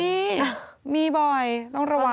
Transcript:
มีมีบ่อยต้องระวัง